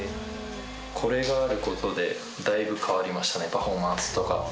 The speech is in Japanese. これがあることで、だいぶ変わりましたね、パフォーマンスとか。